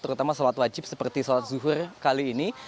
terutama sholat wajib seperti sholat zuhur kali ini